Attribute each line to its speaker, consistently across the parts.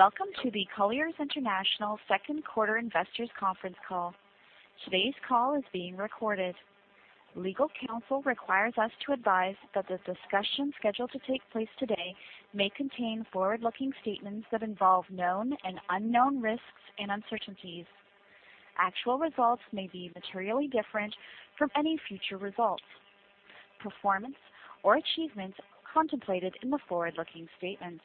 Speaker 1: Welcome to the Colliers International second quarter investors' conference call. Today's call is being recorded. Legal counsel requires us to advise that the discussion scheduled to take place today may contain forward-looking statements that involve known and unknown risks and uncertainties. Actual results may be materially different from any future results, performance, or achievements contemplated in the forward-looking statements.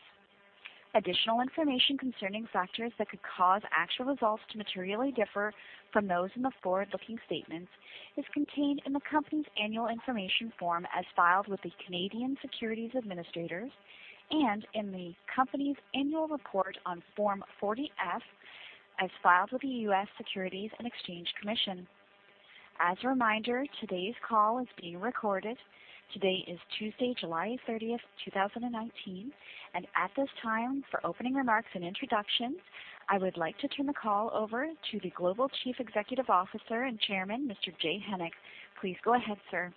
Speaker 1: Additional information concerning factors that could cause actual results to materially differ from those in the forward-looking statements is contained in the company's annual information form as filed with the Canadian Securities Administrators and in the company's annual report on Form 40-F, as filed with the US Securities and Exchange Commission. As a reminder, today's call is being recorded. Today is Tuesday, July 30th, 2019. At this time for opening remarks and introductions, I would like to turn the call over to the Global Chief Executive Officer and Chairman, Mr. Jay Hennick. Please go ahead, sir.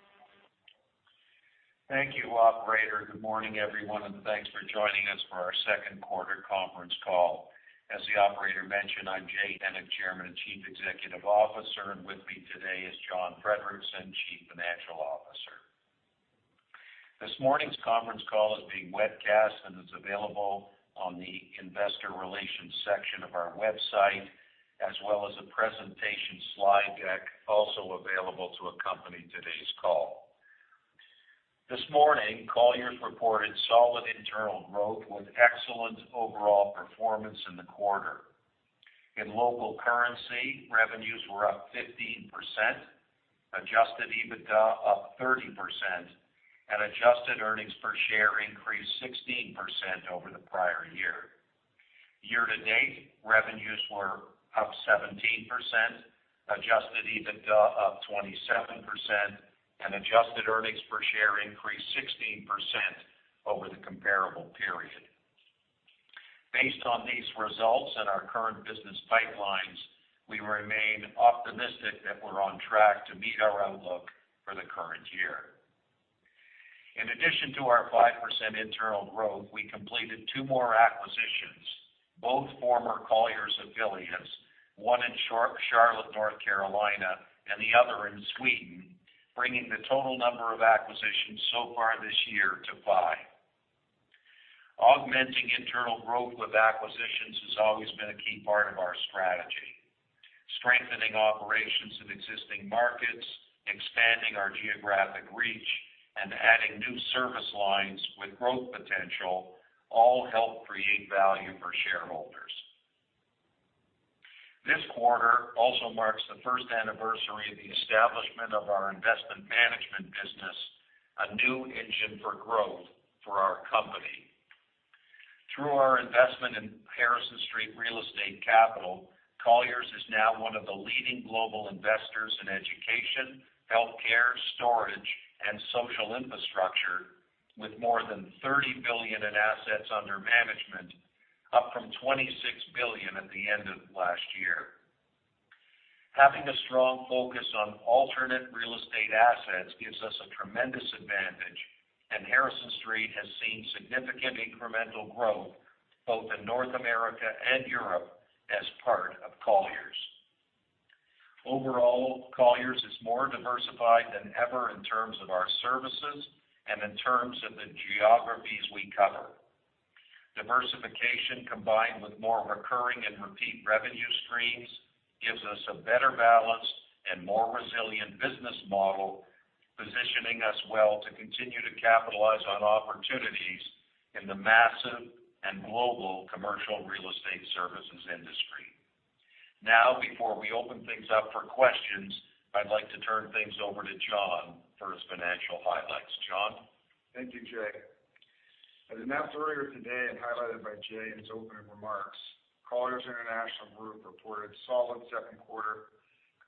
Speaker 2: Thank you, operator. Good morning, everyone, and thanks for joining us for our second quarter conference call. As the operator mentioned, I'm Jay Hennick, Chairman and Chief Executive Officer, and with me today is John Friedrichsen, Chief Financial Officer. This morning's conference call is being webcast and is available on the investor relations section of our website, as well as a presentation slide deck, also available to accompany today's call. This morning, Colliers reported solid internal growth with excellent overall performance in the quarter. In local currency, revenues were up 15%, adjusted EBITDA up 30%, and adjusted earnings per share increased 16% over the prior year. Year to date, revenues were up 17%, adjusted EBITDA up 27%, and adjusted earnings per share increased 16% over the comparable period. Based on these results and our current business pipelines, we remain optimistic that we're on track to meet our outlook for the current year. In addition to our 5% internal growth, we completed two more acquisitions, both former Colliers affiliates, one in Charlotte, North Carolina, and the other in Sweden, bringing the total number of acquisitions so far this year to five. Augmenting internal growth with acquisitions has always been a key part of our strategy. Strengthening operations in existing markets, expanding our geographic reach, and adding new service lines with growth potential all help create value for shareholders. This quarter also marks the first anniversary of the establishment of our investment management business, a new engine for growth for our company. Through our investment in Harrison Street Real Estate Capital, Colliers is now one of the leading global investors in education, healthcare, storage, and social infrastructure with more than $30 billion in assets under management, up from $26 billion at the end of last year. Having a strong focus on alternate real estate assets gives us a tremendous advantage, and Harrison Street has seen significant incremental growth both in North America and Europe as part of Colliers. Overall, Colliers is more diversified than ever in terms of our services and in terms of the geographies we cover. Diversification, combined with more recurring and repeat revenue streams, gives us a better balance and more resilient business model, positioning us well to continue to capitalize on opportunities in the massive and global commercial real estate services industry. Now, before we open things up for questions, I'd like to turn things over to John for his financial highlights. John?
Speaker 3: Thank you, Jay. As announced earlier today and highlighted by Jay in his opening remarks, Colliers International Group reported solid second quarter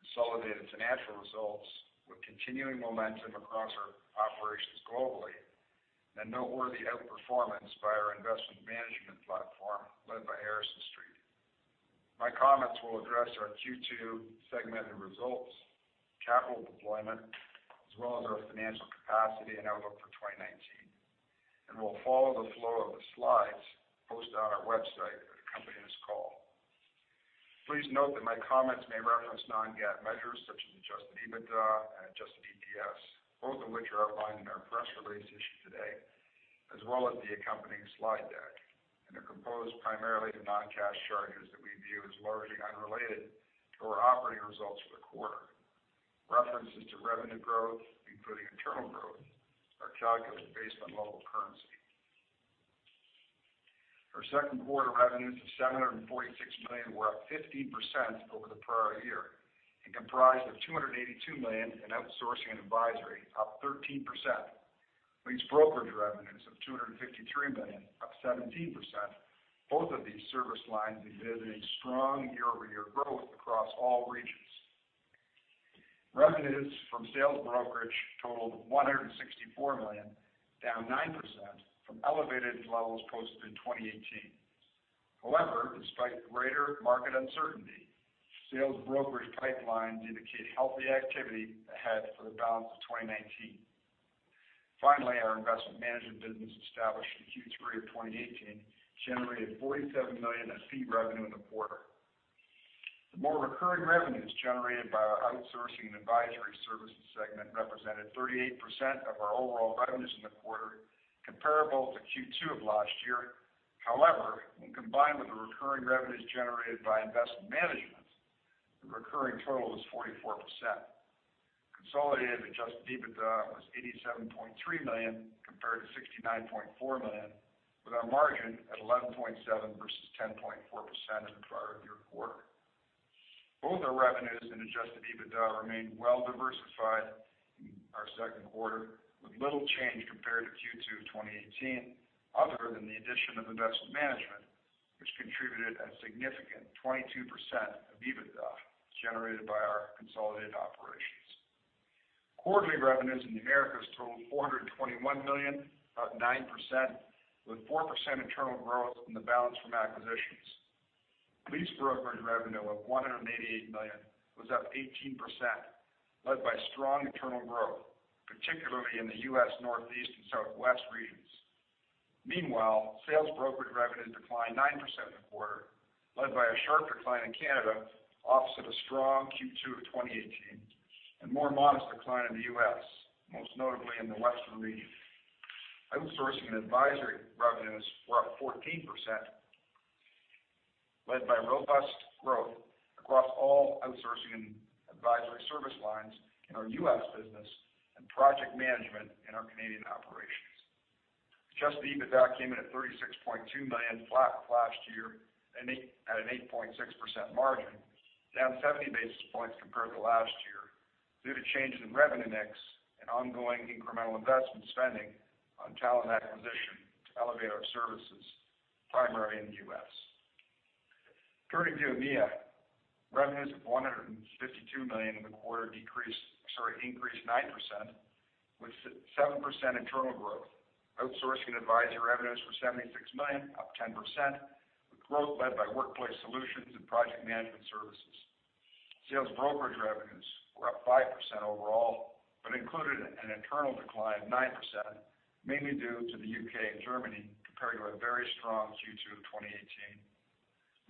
Speaker 3: consolidated financial results with continuing momentum across our operations globally and noteworthy outperformance by our investment management platform led by Harrison Street. My comments will address our Q2 segmented results, capital deployment, as well as our financial capacity and outlook for 2019, and will follow the flow of the slides posted on our website that accompany this call. Please note that my comments may reference non-GAAP measures such as adjusted EBITDA and adjusted EPS, both of which are outlined in our press release issued today, as well as the accompanying slide deck, and are composed primarily of non-cash charges that we view as largely unrelated to our operating results for the quarter. References to revenue growth, including internal growth, are calculated based on local currency. Our second quarter revenues of $746 million were up 15% over the prior year and comprised of $282 million in outsourcing and advisory, up 13%, lease brokerage revenues of $253 million, up 17%. Both of these service lines exhibited strong year-over-year growth across all regions. Revenues from sales brokerage totaled $164 million, down 9% from elevated levels posted in 2018. However, despite greater market uncertainty, sales brokerage pipelines indicate healthy activity ahead for the balance of 2019. Finally, our investment management business established in Q3 of 2018, generated $47 million in fee revenue in the quarter. The more recurring revenues generated by our outsourcing and advisory services segment represented 38% of our overall revenues in the quarter, comparable to Q2 of last year. However, when combined with the recurring revenues generated by investment management, the recurring total was 44%. Consolidated adjusted EBITDA was $87.3 million compared to $69.4 million, with our margin at 11.7% versus 10.4% in the prior year quarter. Both our revenues and adjusted EBITDA remained well-diversified in our second quarter, with little change compared to Q2 2018, other than the addition of investment management, which contributed a significant 22% of EBITDA generated by our consolidated operations. Quarterly revenues in the Americas totaled $421 million, up 9%, with 4% internal growth and the balance from acquisitions. Lease brokerage revenue of $188 million was up 18%, led by strong internal growth, particularly in the U.S. Northeast and Southwest regions. Meanwhile, sales brokerage revenue declined 9% in the quarter, led by a sharp decline in Canada offset a strong Q2 of 2018 and more modest decline in the U.S., most notably in the Western region. Outsourcing and advisory revenues were up 14%, led by robust growth across all outsourcing and advisory service lines in our U.S. business and project management in our Canadian operations. Adjusted EBITDA came in at $36.2 million flat with last year at an 8.6% margin, down 70 basis points compared to last year due to changes in revenue mix and ongoing incremental investment spending on talent acquisition to elevate our services, primarily in the U.S. Turning to EMEA, revenues of $152 million in the quarter increased 9%, with 7% internal growth. Outsourcing and advisory revenues were $76 million, up 10%, with growth led by workplace solutions and project management services. Sales brokerage revenues were up 5% overall but included an internal decline of 9%, mainly due to the U.K. and Germany compared to a very strong Q2 of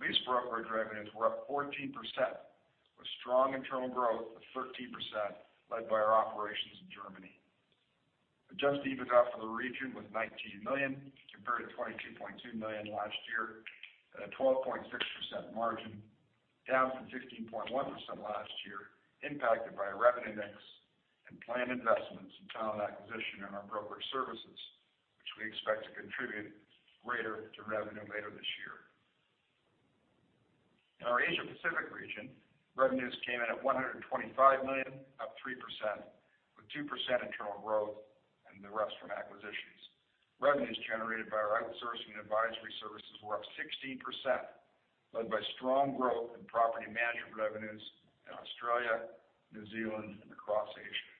Speaker 3: 2018. Lease brokerage revenues were up 14%, with strong internal growth of 13% led by our operations in Germany. adjusted EBITDA for the region was $19 million compared to $22.2 million last year at a 12.6% margin, down from 15.1% last year, impacted by revenue mix and planned investments in talent acquisition in our brokerage services, which we expect to contribute greater to revenue later this year. In our Asia Pacific region, revenues came in at $125 million, up 3%, with 2% internal growth and the rest from acquisitions. Revenues generated by our outsourcing and advisory services were up 16%, led by strong growth in property management revenues in Australia, New Zealand, and across Asia.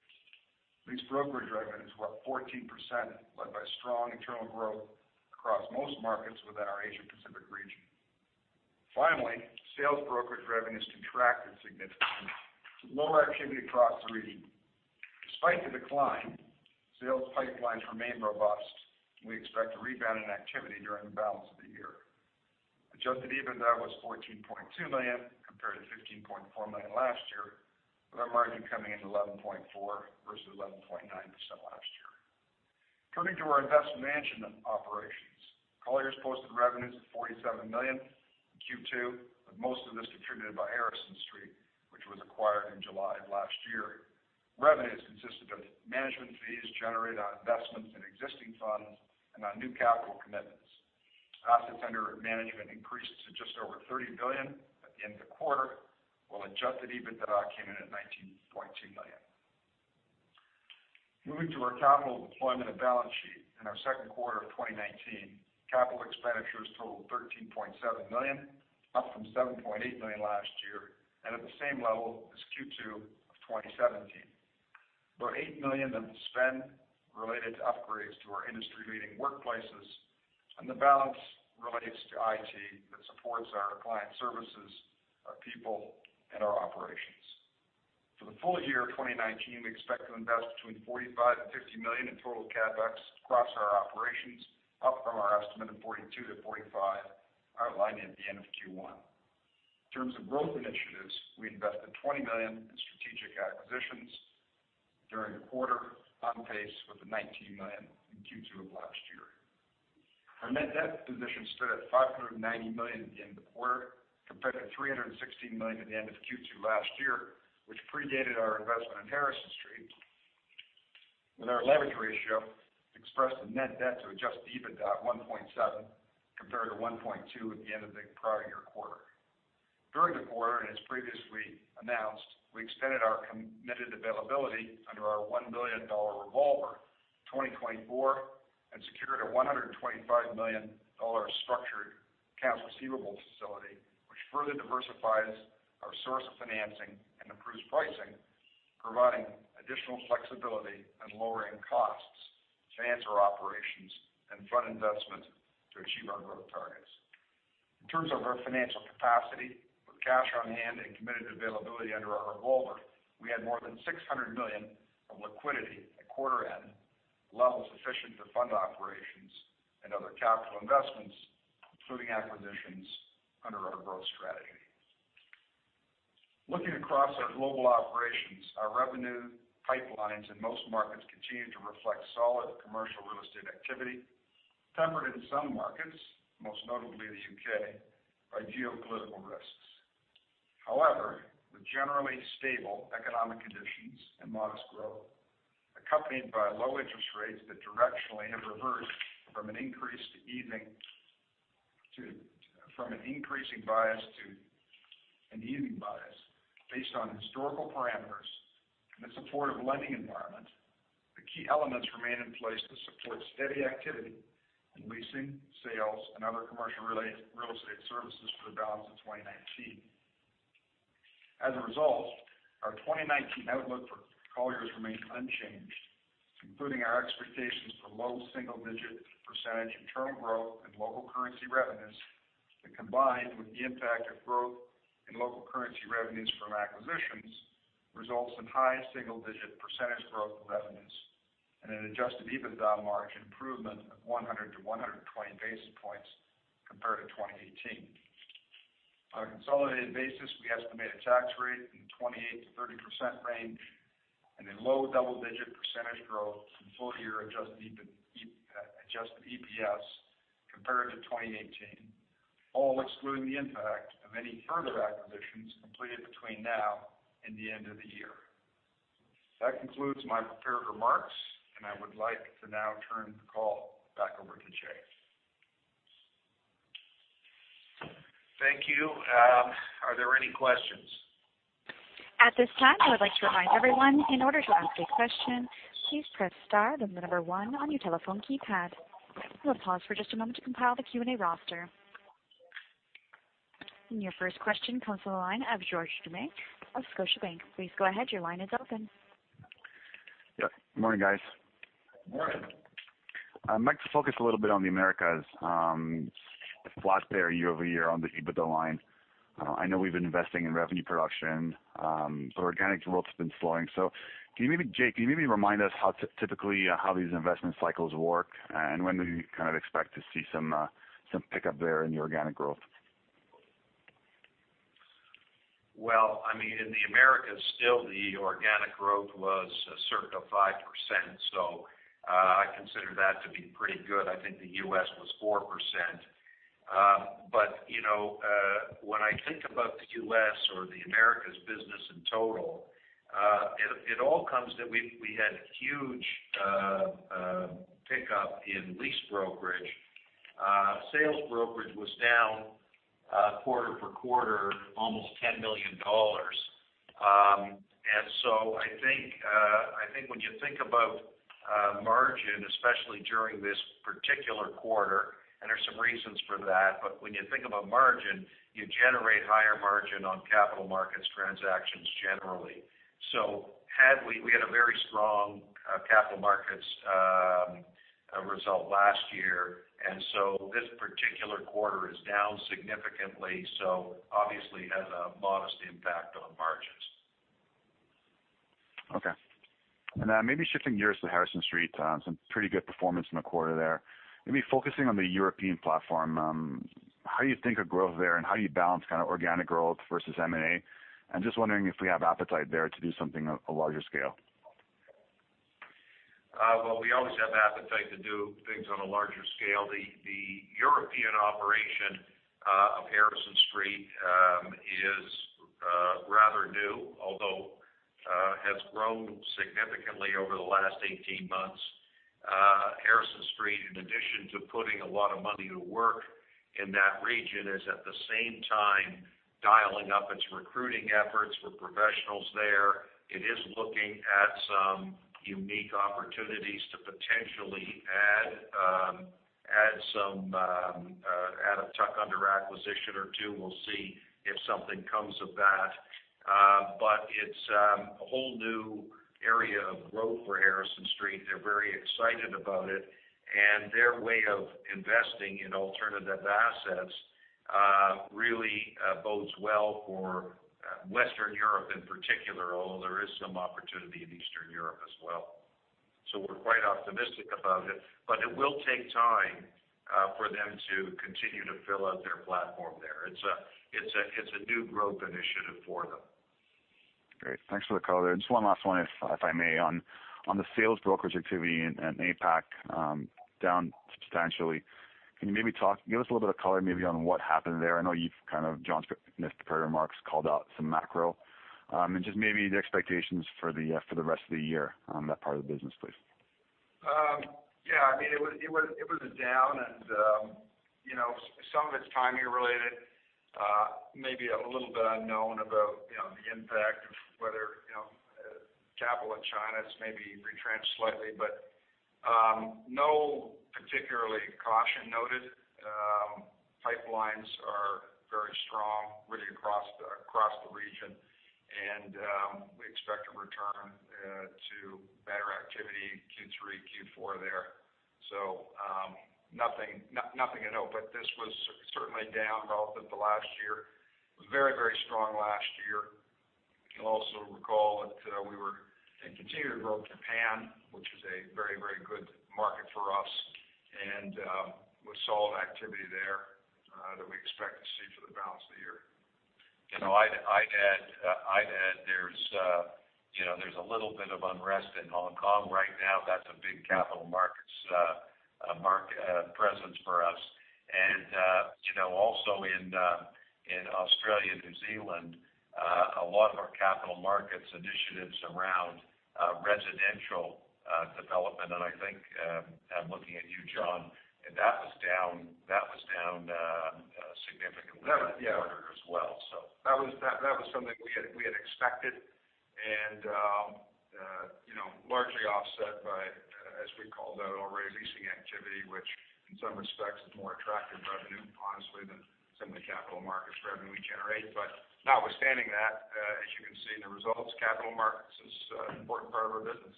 Speaker 3: Lease brokerage revenues were up 14%, led by strong internal growth across most markets within our Asia Pacific region. Sales brokerage revenues contracted significantly due to lower activity across the region. Despite the decline, sales pipelines remain robust, and we expect a rebound in activity during the balance of the year. adjusted EBITDA was $14.2 million compared to $15.4 million last year, with our margin coming in at 11.4% versus 11.9% last year. Turning to our investment management operations, Colliers posted revenues of $47 million in Q2, with most of this contributed by Harrison Street, which was acquired in July of last year. Revenues consisted of management fees generated on investments in existing funds and on new capital commitments. Assets under management increased to just over $30 billion at the end of the quarter, while adjusted EBITDA came in at $19.2 million. Moving to our capital deployment and balance sheet. In our second quarter of 2019, capital expenditures totaled $13.7 million, up from $7.8 million last year and at the same level as Q2 of 2017. About $8 million of the spend related to upgrades to our industry-leading workplaces and the balance relates to IT that supports our client services, our people, and our operations. For the full year of 2019, we expect to invest between $45 million and $50 million in total CapEx across our operations, up from our estimate of $42 million to $45 million outlined at the end of Q1. In terms of growth initiatives, we invested $20 million in strategic acquisitions during the quarter on pace with the $19 million in Q2 of last year. Our net debt position stood at $590 million at the end of the quarter compared to $316 million at the end of Q2 last year, which predated our investment in Harrison Street. With our leverage ratio expressed in net debt to adjusted EBITDA at 1.7 compared to 1.2 at the end of the prior year quarter. During the quarter, as previously announced, we extended our committed availability under our $1 billion revolver to 2024 and secured a $125 million structured accounts receivable facility, which further diversifies our source of financing and improves pricing, providing additional flexibility and lowering costs to fund operations and fund investment to achieve our growth targets. In terms of our financial capacity with cash on hand and committed availability under our revolver, we had more than $600 million of liquidity at quarter end, levels sufficient to fund operations and other capital investments, including acquisitions under our growth strategy. Looking across our global operations, our revenue pipelines in most markets continue to reflect solid commercial real estate activity, tempered in some markets, most notably the U.K., by geopolitical risks. However, the generally stable economic conditions and modest growth, accompanied by low interest rates that directionally have reversed from an increasing bias to an evening bias based on historical parameters and a supportive lending environment. The key elements remain in place to support steady activity in leasing, sales, and other commercial real estate services for the balance of 2019. As a result, our 2019 outlook for Colliers remains unchanged, including our expectations for low single-digit % internal growth in local currency revenues that, combined with the impact of growth in local currency revenues from acquisitions, results in high single-digit % growth in revenues and an adjusted EBITDA margin improvement of 100 to 120 basis points compared to 2018. On a consolidated basis, we estimate a tax rate in the 28%-30% range and a low double-digit % growth in full-year adjusted EPS compared to 2018, all excluding the impact of any further acquisitions completed between now and the end of the year. I would like to now turn the call back over to Jay.
Speaker 2: Thank you. Are there any questions?
Speaker 1: At this time, I would like to remind everyone, in order to ask a question, please press star, then the number one on your telephone keypad. We'll pause for just a moment to compile the Q&A roster. Your first question comes from the line of George Doumet of Scotiabank. Please go ahead, your line is open.
Speaker 4: Yep. Morning, guys.
Speaker 2: Morning.
Speaker 4: I'd like to focus a little bit on the Americas. It's flat there year-over-year on the EBITDA line. I know we've been investing in revenue production. Organic growth has been slowing. Jay, can you maybe remind us how typically these investment cycles work, and when we kind of expect to see some pickup there in the organic growth?
Speaker 2: In the Americas, still the organic growth was certain percent. I consider that to be pretty good. I think the U.S. was 4%. When I think about the U.S. or the Americas business in total, it all comes to we had huge pickup in lease brokerage. Sales brokerage was down quarter for quarter, almost $10 million. I think when you think about margin, especially during this particular quarter, and there's some reasons for that, when you think about margin, you generate higher margin on capital markets transactions generally. We had a very strong capital markets result last year, this particular quarter is down significantly, obviously it has a modest impact on margins.
Speaker 4: Okay. Maybe shifting gears to Harrison Street, some pretty good performance in the quarter there. Maybe focusing on the European platform, how you think of growth there and how you balance kind of organic growth versus M&A. I'm just wondering if we have appetite there to do something of a larger scale.
Speaker 2: We always have appetite to do things on a larger scale. The European operation of Harrison Street is rather new, although has grown significantly over the last 18 months. Harrison Street, in addition to putting a lot of money to work in that region, is at the same time dialing up its recruiting efforts for professionals there. It is looking at some unique opportunities to potentially add a tuck-under acquisition or two. We'll see if something comes of that. It's a whole new area of growth for Harrison Street. They're very excited about it, their way of investing in alternative assets really bodes well for Western Europe in particular, although there is some opportunity in Eastern Europe as well. We're quite optimistic about it will take time for them to continue to fill out their platform there. It's a new growth initiative for them.
Speaker 4: Great. Thanks for the color there. Just one last one, if I may, on the sales brokerage activity in APAC, down substantially. Can you maybe talk, give us a little bit of color maybe on what happened there? I know you've kind of, John's prepared remarks called out some macro. Just maybe the expectations for the rest of the year on that part of the business, please.
Speaker 2: Yeah. It was down. Some of it's timing related. Maybe a little bit unknown about the impact of whether capital in China's maybe retrenched slightly. No particularly caution noted. Pipelines are
Speaker 3: Across the region. We expect a return to better activity Q3, Q4 there. Nothing I know, but this was certainly down relative to last year. It was very strong last year. You can also recall that we were in continued growth in Japan, which is a very good market for us, and we saw activity there that we expect to see for the balance of the year.
Speaker 2: I'd add there's a little bit of unrest in Hong Kong right now. That's a big capital markets presence for us. Also in Australia, New Zealand, a lot of our capital markets initiatives around residential development. I think I'm looking at you, John, and that was down significantly.
Speaker 3: That was, yeah.
Speaker 2: quarter as well.
Speaker 3: That was something we had expected and largely offset by, as we called out already, leasing activity, which in some respects is more attractive revenue, honestly, than some of the capital markets revenue we generate. Notwithstanding that, as you can see in the results, capital markets is an important part of our business.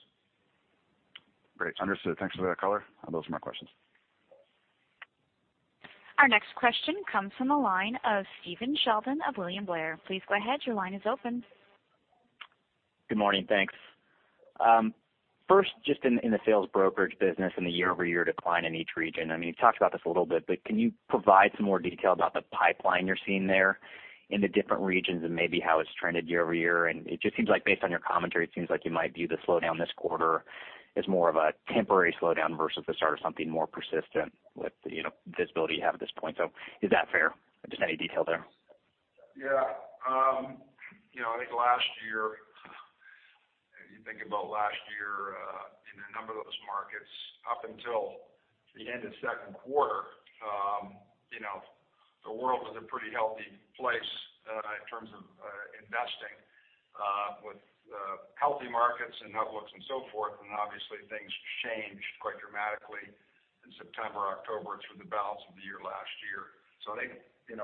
Speaker 4: Great. Understood. Thanks for that color. Those are my questions.
Speaker 1: Our next question comes from the line of Stephen Sheldon of William Blair. Please go ahead. Your line is open.
Speaker 5: Good morning. Thanks. First, just in the sales brokerage business and the year-over-year decline in each region, you talked about this a little bit, but can you provide some more detail about the pipeline you're seeing there in the different regions and maybe how it's trended year-over-year? It just seems like based on your commentary, it seems like you might view the slowdown this quarter as more of a temporary slowdown versus the start of something more persistent with the visibility you have at this point. Is that fair? Just any detail there.
Speaker 3: Yeah. I think last year, if you think about last year, in a number of those markets up until the end of second quarter, the world was a pretty healthy place in terms of investing with healthy markets and outlooks and so forth. Obviously things changed quite dramatically in September, October through the balance of the year last year. I think,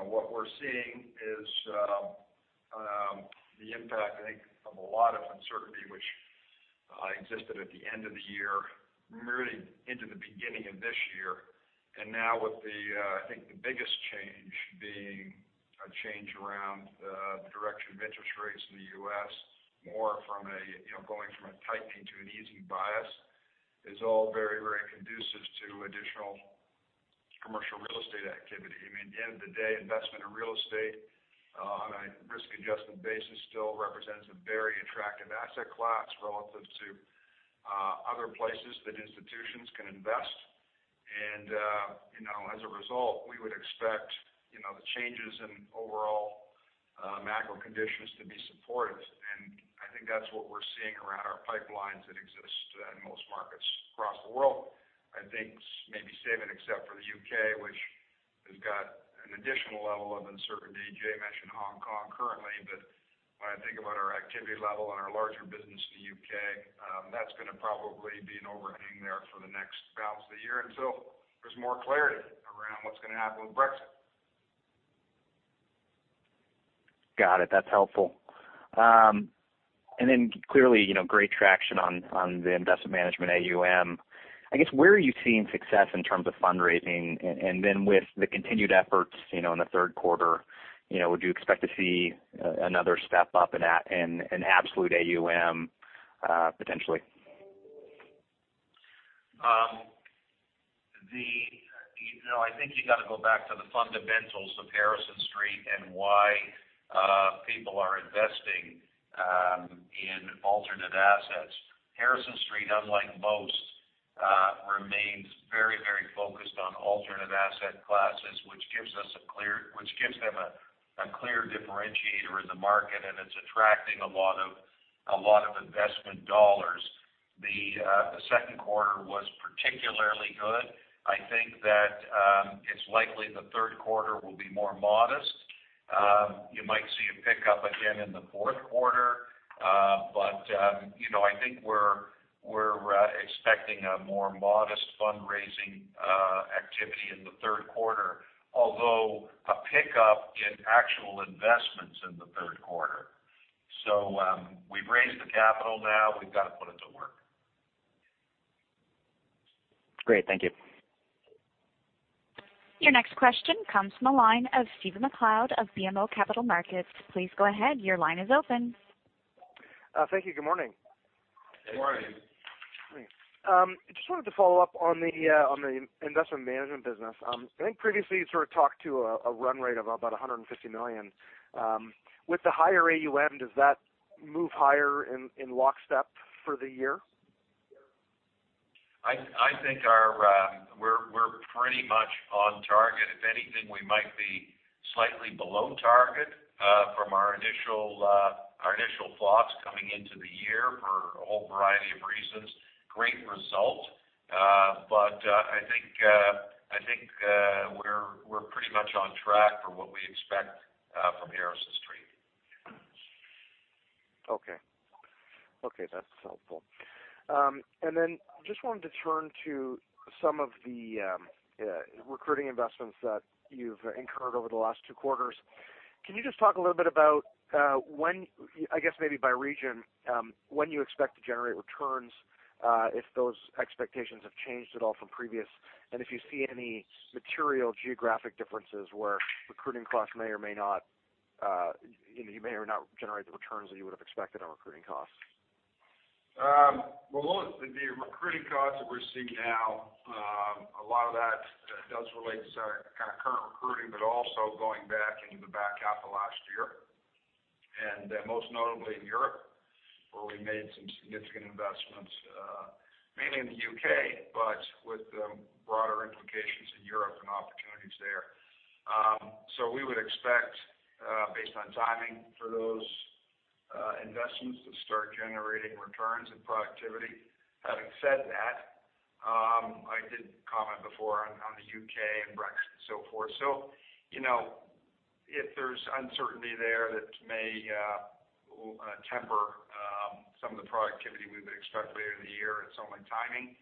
Speaker 3: what we're seeing is the impact, I think, of a lot of uncertainty which existed at the end of the year, really into the beginning of this year. Now with the, I think the biggest change being a change around the direction of interest rates in the U.S. more from going from a tightening to an easing bias is all very conducive to additional commercial real estate activity. At the end of the day, investment in real estate on a risk-adjusted basis still represents a very attractive asset class relative to other places that institutions can invest. As a result, we would expect the changes in overall macro conditions to be supportive. I think that's what we're seeing around our pipelines that exist in most markets across the world. I think maybe saving except for the U.K., which has got an additional level of uncertainty. Jay mentioned Hong Kong currently. When I think about our activity level and our larger business in the U.K., that's going to probably be an overhang there for the next balance of the year until there's more clarity around what's going to happen with Brexit.
Speaker 5: Got it. That's helpful. Clearly, great traction on the investment management AUM. I guess, where are you seeing success in terms of fundraising and then with the continued efforts, in the third quarter would you expect to see another step up in absolute AUM potentially?
Speaker 2: I think you got to go back to the fundamentals of Harrison Street and why people are investing in alternate assets. Harrison Street, unlike most, remains very focused on alternate asset classes, which gives them a clear differentiator in the market, and it's attracting a lot of investment dollars. The second quarter was particularly good. I think that it's likely the third quarter will be more modest. You might see a pickup again in the fourth quarter. I think we're expecting a more modest fundraising activity in the third quarter, although a pickup in actual investments in the third quarter. We've raised the capital now we've got to put it to work.
Speaker 5: Great. Thank you.
Speaker 1: Your next question comes from the line of Stephen MacLeod of BMO Capital Markets. Please go ahead. Your line is open.
Speaker 6: Thank you. Good morning.
Speaker 2: Good morning.
Speaker 6: Wanted to follow up on the investment management business. I think previously you sort of talked to a run rate of about $150 million. With the higher AUM, does that move higher in lockstep for the year?
Speaker 2: I think we're pretty much on target. If anything, we might be slightly below target from our initial thoughts coming into the year for a whole variety of reasons. Great result. I think we're pretty much on track for what we expect from Harrison Street.
Speaker 6: Okay. That's helpful. Just wanted to turn to some of the recruiting investments that you've incurred over the last two quarters. Can you just talk a little bit about when, I guess maybe by region, when you expect to generate returns, if those expectations have changed at all from previous, and if you see any material geographic differences where recruiting costs may or may not generate the returns that you would've expected on recruiting costs?
Speaker 2: The recruiting costs that we're seeing now, a lot of that does relate to kind of current recruiting, but also going back into the back half of last year. Most notably in Europe, where we made some significant investments, mainly in the U.K., but with broader implications in Europe and opportunities there. We would expect, based on timing for those investments to start generating returns and productivity. Having said that, I did comment before on the U.K. and Brexit and so forth. If there's uncertainty there that may temper some of the productivity we would expect later in the year, it's only timing,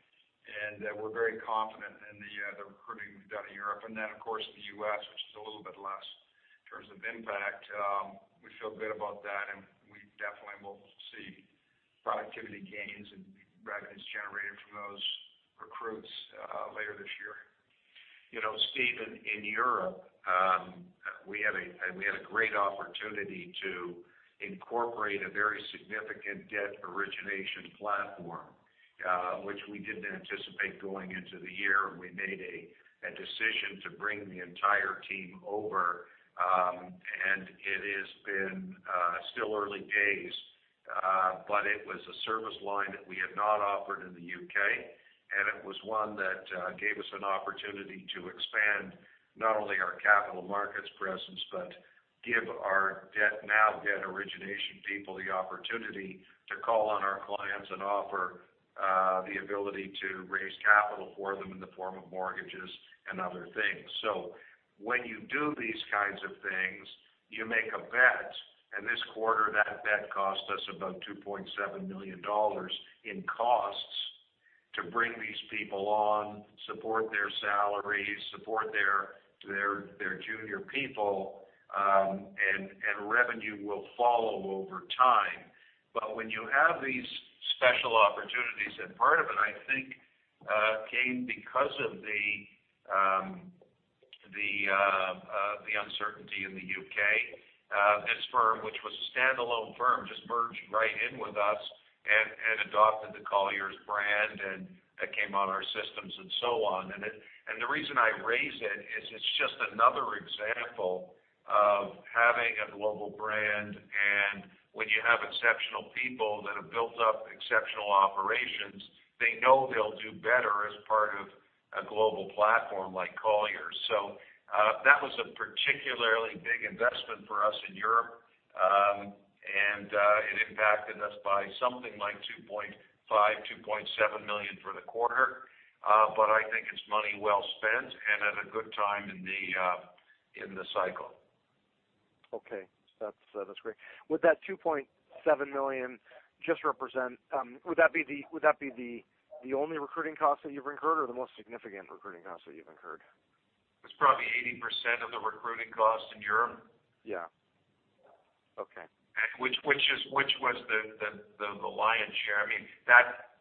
Speaker 2: and we're very confident in the recruiting we've done in Europe. Of course in the U.S., which is a little bit less in terms of impact. We feel good about that. We definitely will see productivity gains and revenues generated from those recruits later this year. Stephen, in Europe we had a great opportunity to incorporate a very significant debt origination platform, which we didn't anticipate going into the year. We made a decision to bring the entire team over. It has been still early days. It was a service line that we had not offered in the U.K., and it was one that gave us an opportunity to expand not only our capital markets presence, but give our now debt origination people the opportunity to call on our clients and offer the ability to raise capital for them in the form of mortgages and other things. When you do these kinds of things, you make a bet. This quarter, that bet cost us about $2.7 million in costs to bring these people on, support their salaries, support their junior people, and revenue will follow over time. When you have these special opportunities, and part of it, I think, came because of the uncertainty in the U.K. This firm, which was a standalone firm, just merged right in with us and adopted the Colliers brand and came on our systems and so on. The reason I raise it is it's just another example of having a global brand. When you have exceptional people that have built up exceptional operations, they know they'll do better as part of a global platform like Colliers. That was a particularly big investment for us in Europe. It impacted us by something like $2.5 million-$2.7 million for the quarter. I think it's money well spent and at a good time in the cycle.
Speaker 6: Okay. That's great. Would that $2.7 million would that be the only recruiting cost that you've incurred or the most significant recruiting cost that you've incurred?
Speaker 2: It's probably 80% of the recruiting cost in Europe.
Speaker 6: Yeah. Okay.
Speaker 3: Which was the lion's share. That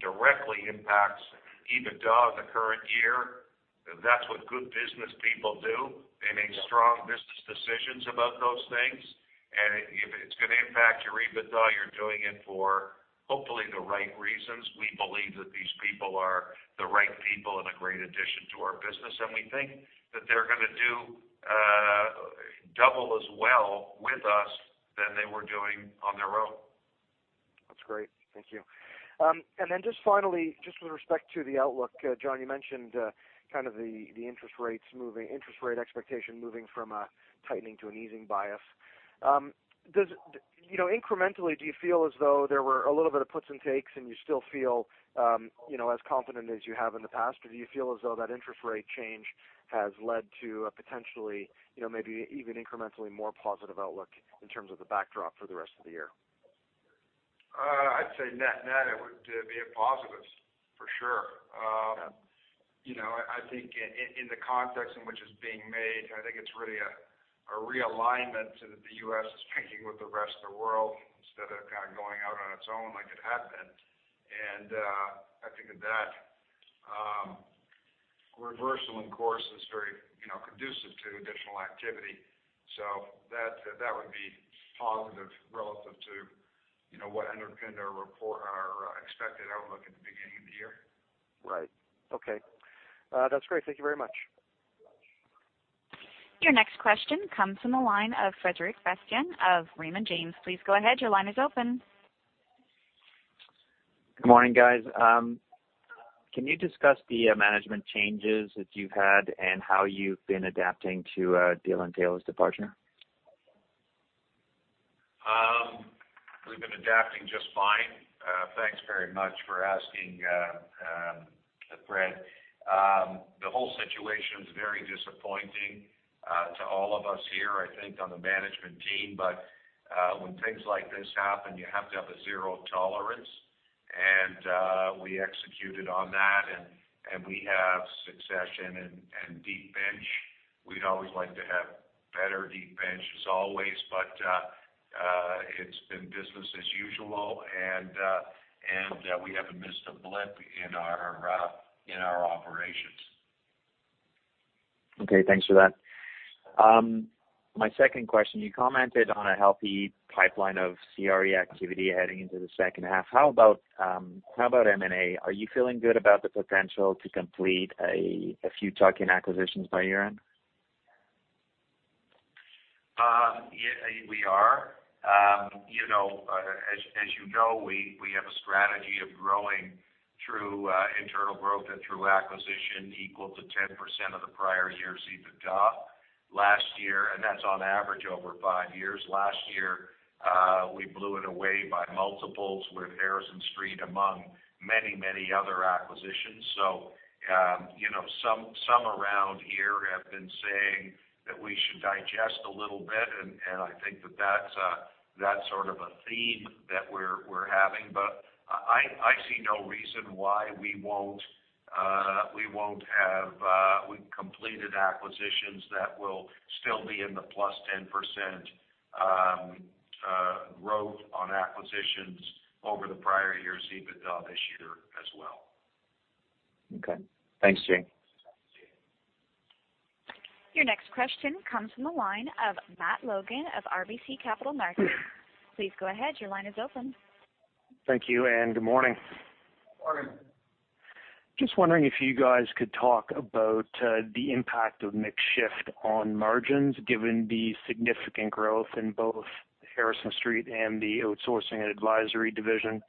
Speaker 3: directly impacts EBITDA the current year. That's what good business people do. They make strong business decisions about those things. If it's going to impact your EBITDA, you're doing it for hopefully the right reasons. We believe that these people are the right people and a great addition to our business. We think that they're going to do double as well with us than they were doing on their own.
Speaker 6: That's great. Thank you. Then just finally, just with respect to the outlook, John, you mentioned kind of the interest rate expectation moving from a tightening to an easing bias. Incrementally, do you feel as though there were a little bit of puts and takes and you still feel as confident as you have in the past? Or do you feel as though that interest rate change has led to a potentially maybe even incrementally more positive outlook in terms of the backdrop for the rest of the year?
Speaker 2: I'd say net it would be a positive for sure.
Speaker 6: Okay.
Speaker 3: I think in the context in which it's being made, I think it's really a realignment to the U.S. is taking with the rest of the world instead of kind of going out on its own like it had been. I think that reversal in course is very conducive to additional activity. That would be positive relative to what underpinned our expected outlook at the beginning of the year.
Speaker 6: Right. Okay. That's great. Thank you very much.
Speaker 1: Your next question comes from the line of Frederick Christian of Raymond James. Please go ahead. Your line is open.
Speaker 7: Good morning, guys. Can you discuss the management changes that you've had and how you've been adapting to Dylan Taylor's departure?
Speaker 2: We've been adapting just fine. Thanks very much for asking, Fred. The whole situation is very disappointing to all of us here, I think, on the management team. When things like this happen, you have to have a zero tolerance, and we executed on that, and we have succession and deep bench. We'd always like to have better deep benches always, but it's been business as usual, and we haven't missed a blip in our operations.
Speaker 7: Okay, thanks for that. My second question, you commented on a healthy pipeline of CRE activity heading into the second half. How about M&A? Are you feeling good about the potential to complete a few tuck-in acquisitions by year-end?
Speaker 2: We are. As you know, we have a strategy of growing through internal growth and through acquisition equal to 10% of the prior year's EBITDA. That's on average over five years. Last year, we blew it away by multiples with Harrison Street among many other acquisitions. Some around here have been saying that we should digest a little bit, and I think that's sort of a theme that we're having. I see no reason why we won't have completed acquisitions that will still be in the plus 10% growth on acquisitions over the prior year's EBITDA this year as well.
Speaker 7: Okay. Thanks, Jay.
Speaker 1: Your next question comes from the line of Matt Logan of RBC Capital Markets. Please go ahead. Your line is open.
Speaker 8: Thank you, and good morning.
Speaker 2: Morning.
Speaker 8: Just wondering if you guys could talk about the impact of mix shift on margins, given the significant growth in both Harrison Street and the outsourcing and advisory division.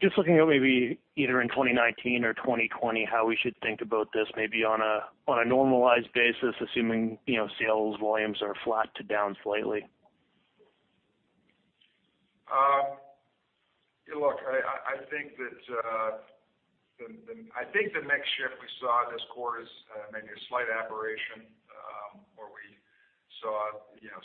Speaker 8: Just looking at maybe either in 2019 or 2020, how we should think about this, maybe on a normalized basis, assuming sales volumes are flat to down slightly.
Speaker 2: I think the mix shift we saw this quarter is maybe a slight aberration. Where we saw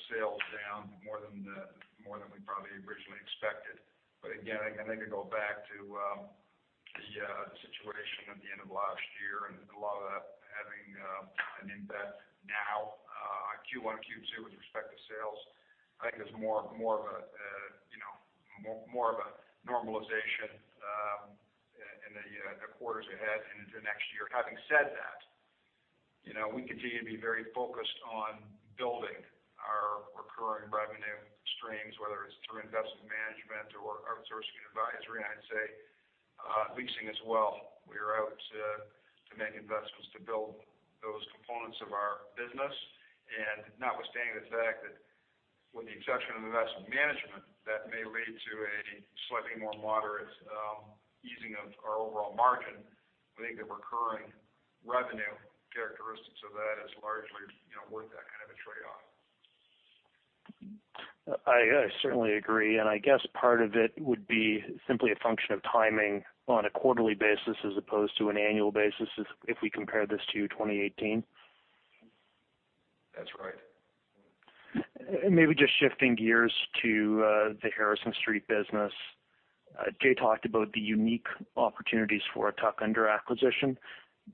Speaker 2: sales down more than we probably originally expected. Again, I think I go back to the situation at the end of last year and a lot of that having an impact now on Q1, Q2 with respect to sales, I think is more of a normalization in the quarters ahead into next year. Having said that, we continue to be very focused on building our recurring revenue streams, whether it's through investment management or outsourcing and advisory, and I'd say leasing as well. We are out to make investments to build those components of our business. Notwithstanding the fact that, with the exception of investment management, that may lead to a slightly more moderate easing of our overall margin, I think the recurring revenue characteristics of that is largely worth that kind of a trade-off.
Speaker 8: I certainly agree, and I guess part of it would be simply a function of timing on a quarterly basis as opposed to an annual basis if we compare this to 2018.
Speaker 2: That's right.
Speaker 8: Maybe just shifting gears to the Harrison Street business. Jay talked about the unique opportunities for a tuck-under acquisition.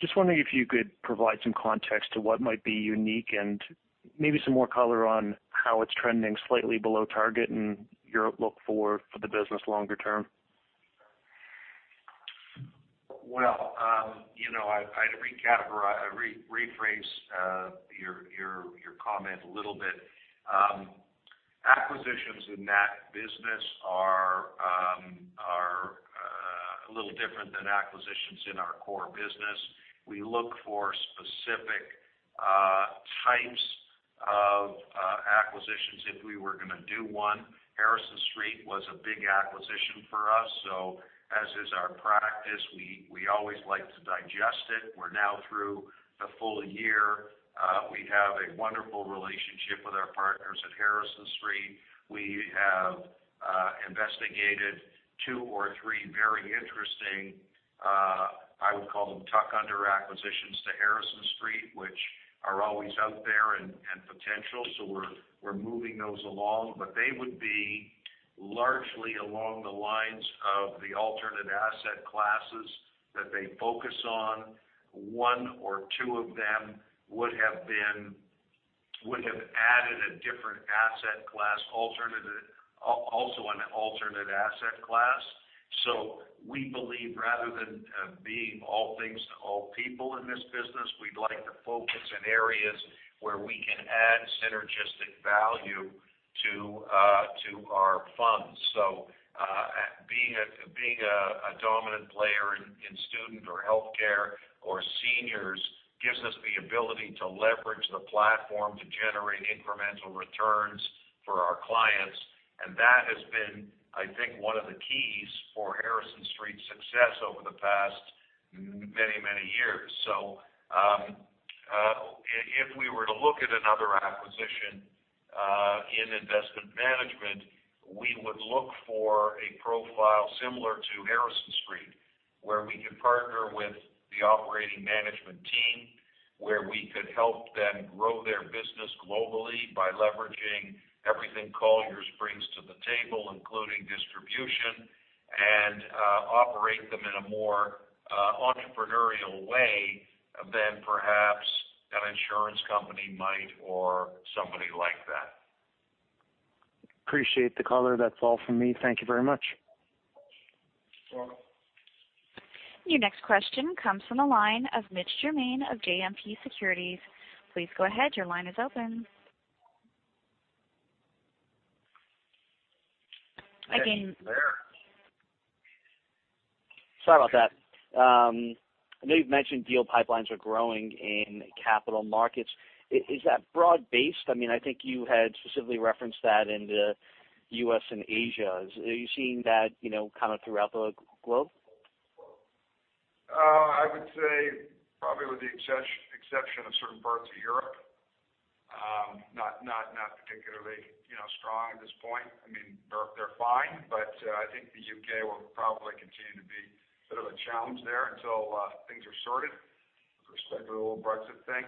Speaker 8: Just wondering if you could provide some context to what might be unique and maybe some more color on how it's trending slightly below target and your look for the business longer term?
Speaker 2: Well, I'd rephrase your comment a little bit. Acquisitions in that business are a little different than acquisitions in our core business. We look for specific types of acquisitions if we were going to do one. Harrison Street was a big acquisition for us, so as is our practice, we always like to digest it. We're now through the full year. We have a wonderful relationship with our partners at Harrison Street. We have investigated two or three very interesting, I would call them tuck-under acquisitions to Harrison Street, which are always out there and potential. We're moving those along. They would be largely along the lines of the alternate asset classes that they focus on. One or two of them would have added a different asset class alternative, also an alternate asset class. We believe rather than being all things to all people in this business, we'd like to focus in areas where we can add synergistic value to our funds. Being a dominant player in student or healthcare or seniors gives us the ability to leverage the platform to generate incremental returns for our clients. And that has been, I think, one of the keys for Harrison Street's success over the past. If we were to look at another acquisition in investment management, we would look for a profile similar to Harrison Street, where we could partner with the operating management team, where we could help them grow their business globally by leveraging everything Colliers brings to the table, including distribution, and operate them in a more entrepreneurial way than perhaps an insurance company might, or somebody like that.
Speaker 8: Appreciate the color. That's all from me. Thank you very much.
Speaker 2: You're welcome.
Speaker 1: Your next question comes from the line of Mitch Germain of JMP Securities. Please go ahead. Your line is open.
Speaker 9: Sorry about that. I know you've mentioned deal pipelines are growing in capital markets. Is that broad based? I think you had specifically referenced that in the U.S. and Asia. Are you seeing that kind of throughout the globe?
Speaker 3: I would say probably with the exception of certain parts of Europe, not particularly strong at this point. They're fine, but I think the U.K. will probably continue to be a bit of a challenge there until things are sorted with respect to the whole Brexit thing.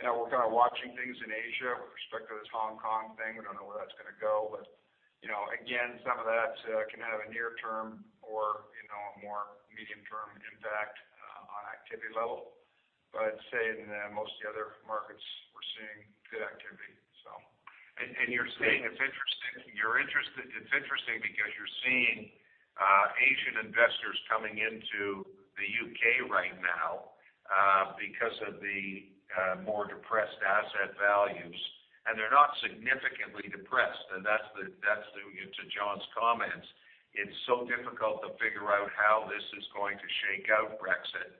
Speaker 3: We're kind of watching things in Asia with respect to this Hong Kong thing. We don't know where that's going to go. Again, some of that can have a near term or a more medium-term impact on activity level. I'd say in most of the other markets, we're seeing good activity.
Speaker 2: It's interesting because you're seeing Asian investors coming into the U.K. right now because of the more depressed asset values, and they're not significantly depressed. That's to John's comments. It's so difficult to figure out how this is going to shake out, Brexit.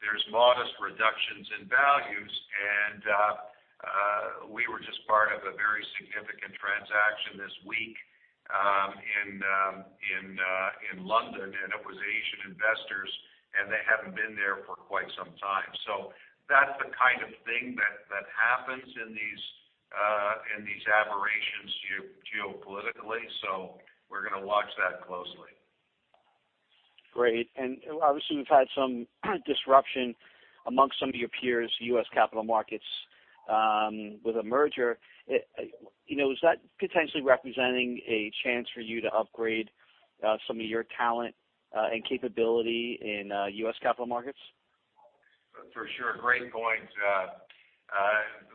Speaker 2: There's modest reductions in values, and we were just part of a very significant transaction this week in London, and it was Asian investors, and they haven't been there for quite some time. That's the kind of thing that happens in these aberrations geopolitically. We're going to watch that closely.
Speaker 9: Great. Obviously we've had some disruption amongst some of your peers, U.S. capital markets, with a merger. Is that potentially representing a chance for you to upgrade some of your talent and capability in U.S. capital markets?
Speaker 2: For sure. Great point.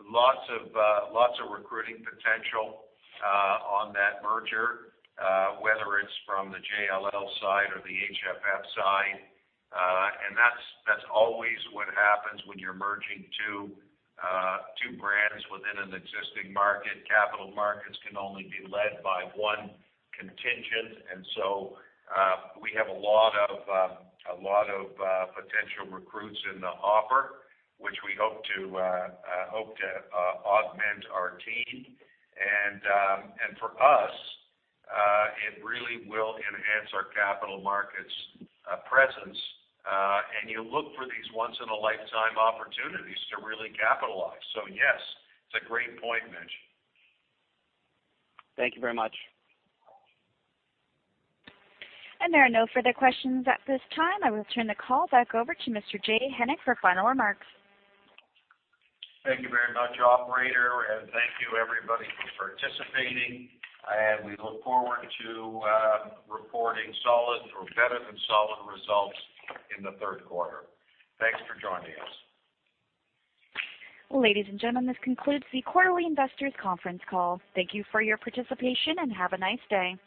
Speaker 2: Lots of recruiting potential on that merger whether it's from the JLL side or the HFF side. That's always what happens when you're merging two brands within an existing market. Capital markets can only be led by one contingent, and so we have a lot of potential recruits in the offer, which we hope to augment our team. For us, it really will enhance our capital markets presence. You look for these once in a lifetime opportunities to really capitalize. Yes, it's a great point, Mitch.
Speaker 9: Thank you very much.
Speaker 1: There are no further questions at this time. I will turn the call back over to Mr. Jay Hennick for final remarks.
Speaker 2: Thank you very much, operator, and thank you everybody for participating, and we look forward to reporting solid or better than solid results in the third quarter. Thanks for joining us.
Speaker 1: Ladies and gentlemen, this concludes the quarterly investors conference call. Thank you for your participation, and have a nice day.